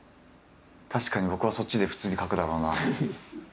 確かに僕はそっちで普通に書くだろうなあ。